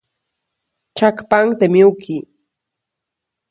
Tsyakpaʼuŋ teʼ myuki.